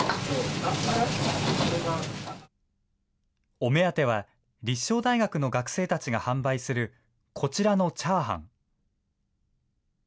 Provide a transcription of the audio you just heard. お目当ては、立正大学の学生たちが販売するこちらのチャーハン。